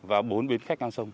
và bốn bến khách ngang sông